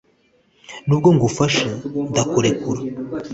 nubwo ngufashe, ndakurekura